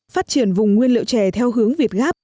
phát triển vùng nguyên liệu chè theo hướng việt gáp